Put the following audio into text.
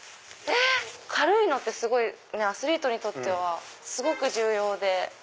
軽いのってアスリートにとってはすごく重要で。